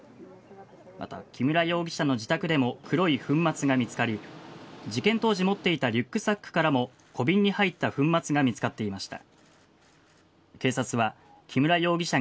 また、木村容疑者の自宅でも黒い粉末が見つかり事件当時持っていたリュックサックからも小瓶に入った粉末が見つかっていました。